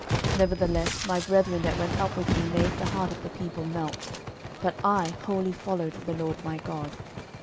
06:014:008 Nevertheless my brethren that went up with me made the heart of the people melt: but I wholly followed the LORD my God.